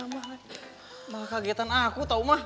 mama kagetan aku tau ma